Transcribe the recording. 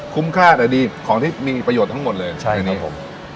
คุ้มค่าแต่ดีของที่มีประโยชน์ทั้งหมดเลยใช่ครับผม